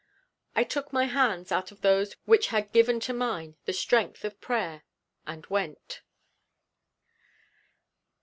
I took my hands out of those which had given to mine the strength of prayer and went.